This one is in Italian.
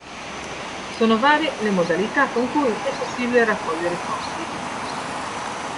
Sono varie le modalità con cui è possibile raccogliere fondi.